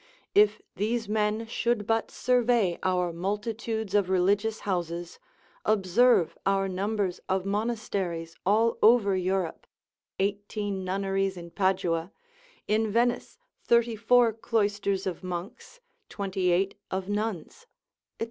If these men should but survey our multitudes of religious houses, observe our numbers of monasteries all over Europe, 18 nunneries in Padua, in Venice 34 cloisters of monks, 28 of nuns, &c.